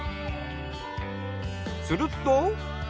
すると。